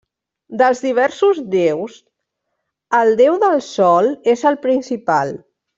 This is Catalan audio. Dels diversos déus, el déu del sol és el principal.